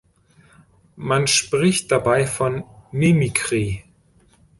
Man spricht dabei von Mimikry.